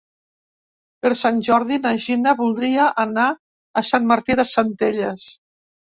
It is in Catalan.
Per Sant Jordi na Gina voldria anar a Sant Martí de Centelles.